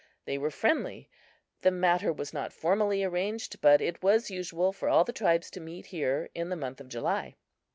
They were friendly. The matter was not formally arranged, but it was usual for all the tribes to meet here in the month of July.